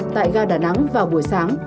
tại ga đà nẵng vào buổi sáng